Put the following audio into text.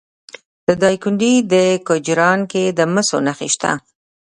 د دایکنډي په کجران کې د مسو نښې شته.